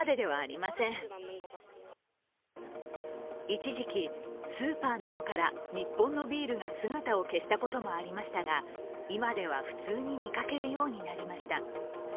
一時期、スーパーなどから日本のビールが姿を消したこともありましたが、今では普通に見かけるようになりました。